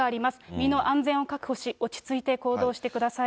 身の安全を確保し、落ち着いて行動してください。